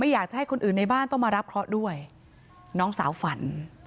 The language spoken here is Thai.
อยากจะให้คนอื่นในบ้านต้องมารับเคราะห์ด้วยน้องสาวฝัน